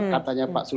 katanya pak susno